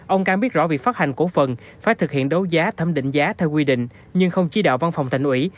ông cang biết rõ việc phát hành cổ phần phải thực hiện đấu giá thấm định giá theo quy định nhưng không chí đạo văn phòng thành ủy